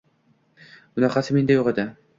Bunaqasi menda yo`q edi